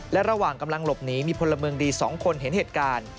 และระหว่างกำลังหลบหนีมีพลเมืองดี๒คนเห็นเหตุการณ์